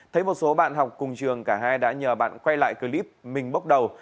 thấy một số bạn học cùng trường cả hai đã nhờ bạn quay lại clip mình bốc đầu